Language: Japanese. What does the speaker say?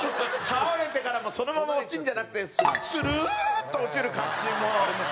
倒れてからもそのまま落ちるんじゃなくてスルッと落ちる感じも。